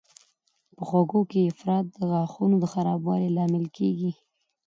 په خوږو کې افراط د غاښونو د خرابوالي لامل کېږي.